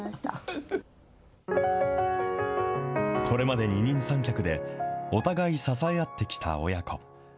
これまで二人三脚でお互い支え合ってきた親子。